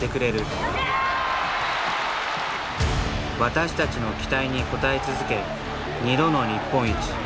私たちの期待に応え続け２度の日本一。